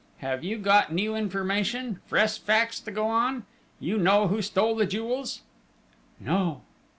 Have you got new information! Fresh facts to go on? You know who stole the jewels?" "No."